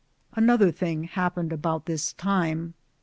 Another thing happened about this time.